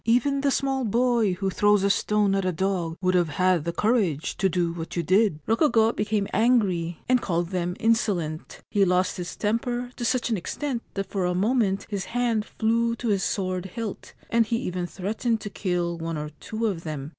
Even the small boy who throws a stone at a dog would have had the courage to do what you did!' Rokugo became angry, and called them insolent. He lost his temper to such an extent that for a moment his hand flew to his sword hilt, and he even threatened to kill one or two of them.